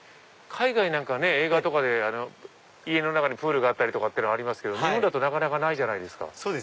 海外なんか映画とかで家の中にプールがありますけど日本だとなかなかないじゃないですか。